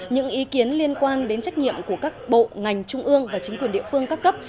những ý kiến liên quan đến trách nhiệm của các bộ ngành trung ương và chính quyền địa phương các cấp